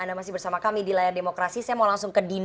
anda masih bersama kami di layar demokrasi saya mau langsung ke dino